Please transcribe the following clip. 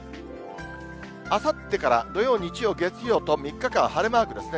あさってから土曜、日曜、月曜と、３日間晴れマークですね。